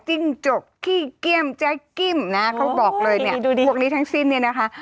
จิ้งจกขี้เกี้ยมแจ๊กกิ้มนะเขาบอกเลยเนี่ยพวกนี้ทั้งสิ้นเนี่ยนะคะ